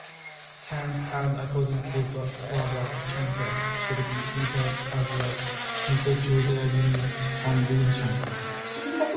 Hence, and according to Warburg, cancer should be interpreted as a mitochondrial dysfunction.